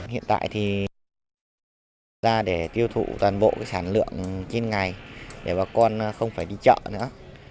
hiện tại thì ra để tiêu thụ toàn bộ sản lượng trên ngày để bà con không phải đi chợ nữa